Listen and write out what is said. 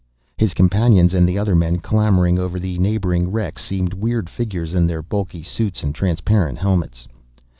His companions and the other men clambering over the neighboring wrecks seemed weird figures in their bulky suits and transparent helmets.